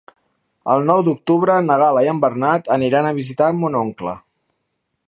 El nou d'octubre na Gal·la i en Bernat aniran a visitar mon oncle.